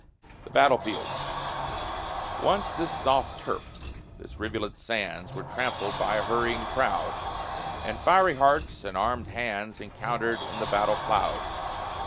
THE BATTLE FIELD Once this soft turf, this rivulet's sands, Were trampled by a hurrying crowd, And fiery hearts and armed hands Encountered in the battle cloud.